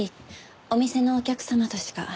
お店のお客様としか。